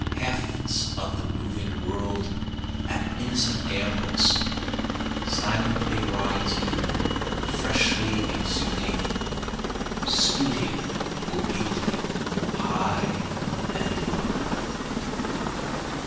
Hefts of the moving world at innocent gambols silently rising freshly exuding, Scooting obliquely high and low.